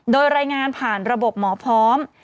โดยรายงานผ่านระบบหมอพร้อม